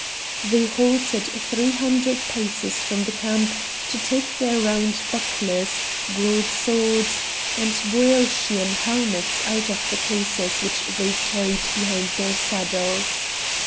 They halted three hundred paces from the camp to take their round bucklers, broad swords, and Boeotian helmets out of the cases which they carried behind their saddles.